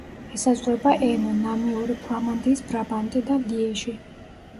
ესაზღვრება ენო, ნამიური, ფლამანდიის ბრაბანტი და ლიეჟი.